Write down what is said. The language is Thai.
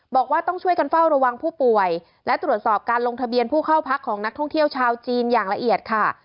บอกว่าต้องช่วยกันเฝ้าระวังผู้ป่วยและตรวจสอบการลงทะเบียนผู้เข้าพักของนักท่องเที่ยวชาวจีนอย่างละเอียดค่ะ